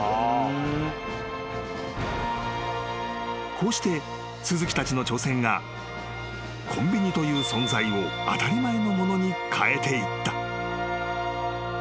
［こうして鈴木たちの挑戦がコンビニという存在を当たり前のものに変えていった］